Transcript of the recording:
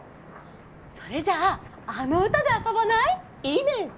それじゃああのうたであそばない？いいね！